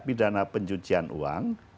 pidana pencucian uang